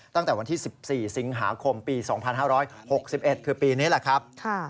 ตั้งแต่วันที่๑๔สิงหาคมปี๒๕๖๑คือปีนี้แหละครับ